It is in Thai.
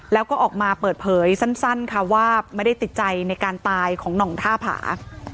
แล้วก็ออกมาเปิดเผยสั้นค่ะว่าไม่ได้ติดใจในการตายของหน่องท่าผา